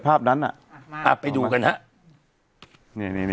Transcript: ปรากฏว่าจังหวัดที่ลงจากรถ